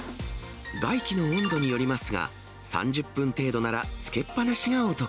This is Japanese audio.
外気の温度によりますが、３０分程度ならつけっぱなしがお得。